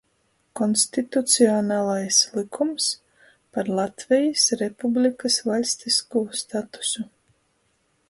Konstitucionalais lykums "Par Latvejis Republikys vaļstiskū statusu"